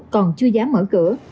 còn chưa dám mở cửa